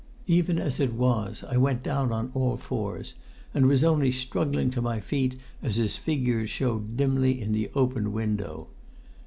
Even as it was I went down on all fours, and was only struggling to my feet as his figure showed dimly in the open window.